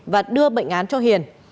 và đưa bệnh án cho hiền